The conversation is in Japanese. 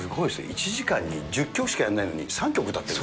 １時間に１０曲しかやらないのに、３曲歌ってる。